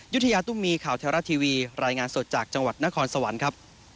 ยุธยาตุ้มมีข่าวไทยรัฐทีวีรายงานสดจากจังหวัดนครสวรรค์ครับ